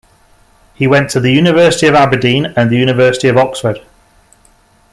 He went to the University of Aberdeen and the University of Oxford.